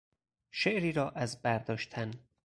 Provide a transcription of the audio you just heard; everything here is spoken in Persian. شعری را از بر داشتن